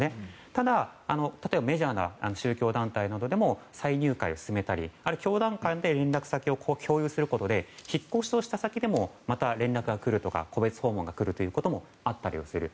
ただ、例えばメジャーな宗教団体などでも再入会を勧めたり教団間で連絡先を共有することで引っ越しをした先でもまた連絡が来るとか個別訪問が来ることもあったりする。